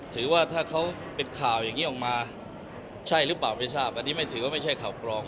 ถือว่าถ้าเขาเป็นข่าวอย่างนี้ออกมาใช่หรือเปล่าไม่ทราบอันนี้ไม่ถือว่าไม่ใช่ข่าวกรอง